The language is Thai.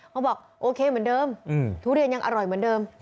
บอกโอเคเหมือนเดิมทุเรียนยังอร่อยเหมือนเดิม